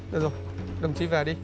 được rồi đồng chí về đi